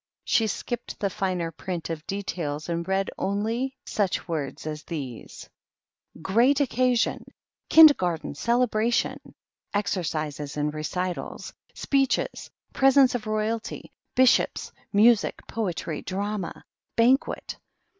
She skip the finer print of details, and read only s words as these: GREAT OCCASION I KINDERGARTEN CELzEBRATIONI EXERCISES AHD RECITALS. SPEECHES. PRESENCE OF ROYALTY. BISHOPS. /\USIC, POETRY, DRAAA. BANQUKT.